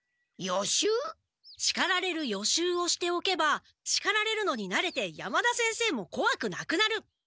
しかられる予習をしておけばしかれられるのになれて山田先生もこわくなくなる！